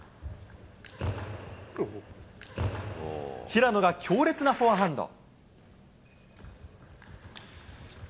平野が強烈なフォアハンド。